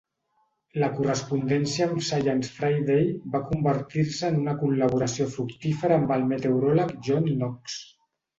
La correspondència amb "Science Friday" va convertir-se en una col·laboració fructífera amb el meteoròleg John Knox.